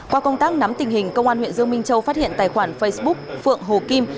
qua công tác nắm tình hình công an huyện dương minh châu phát hiện tài khoản facebook phượng hồ kim